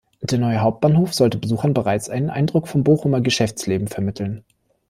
Der neue Hauptbahnhof sollte Besuchern bereits einen Eindruck vom Bochumer Geschäftsleben vermitteln.